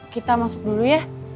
kita masuk dulu ya